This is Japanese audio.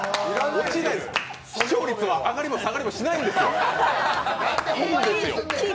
視聴率は上がりも下がりもしないんですよ、いいんですよ。